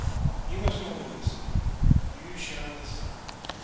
"You must only listen you shall decide.